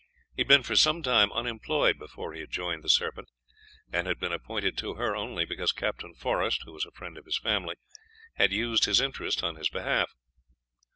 He had been for some time unemployed before he had joined the Serpent, and had been appointed to her only because Captain Forest, who was a friend of his family, had used his interest on his behalf.